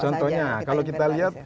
contohnya kalau kita lihat